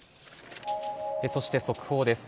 そして速報です。